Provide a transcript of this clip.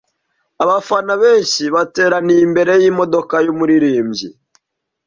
Abafana benshi bateranira imbere yimodoka yumuririmbyi.